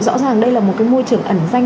rõ ràng đây là một môi trường ẩn danh